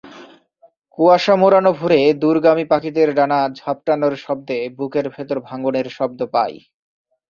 কুয়াশা মোড়ানো ভোরে দূরগামী পাখিদের ডানা ঝাপটানোর শব্দে বুকের ভেতর ভাঙনের শব্দ পাই।